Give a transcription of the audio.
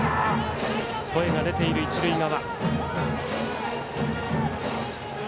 声が出ている一塁側。